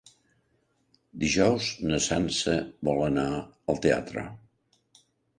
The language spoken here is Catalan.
Dijous na Sança vol anar al teatre.